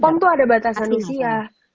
kalau pon tuh ada batasan usia